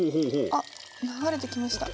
あっ流れてきました。